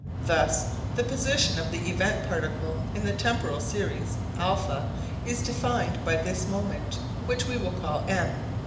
Thus the position of the event particle in the temporal series α is defined by this moment, which we will call M.